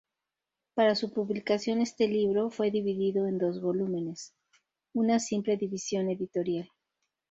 Para su publicación este libro fue dividido en dos volúmenes, una simple división editorial.